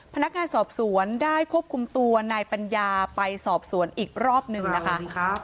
พนักงานสอบสวนได้ควบคุมตัวนายปัญญาไปสอบสวนอีกรอบหนึ่งนะคะ